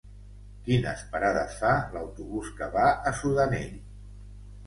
Quines parades fa l'autobús que va a Sudanell?